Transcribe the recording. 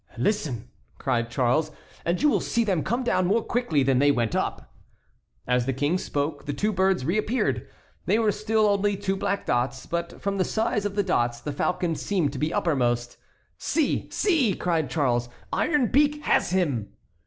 "Listen!" cried Charles, "and you will see them come down more quickly than they went up." As the King spoke, the two birds reappeared. They were still only two black dots, but from the size of the dots the falcon seemed to be uppermost. "See! see!" cried Charles, "Iron Beak has him!"